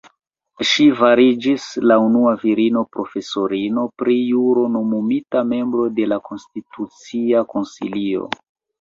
Ŝi fariĝis la unua virino profesorino pri juro nomumita membro de la Konstitucia Konsilio.